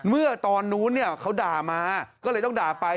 เมื่อตอนนู้นเขาด่ามาก็เลยต้องด่าไป